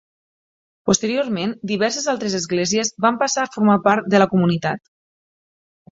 Posteriorment, diverses altres esglésies van passar a formar part de la comunitat.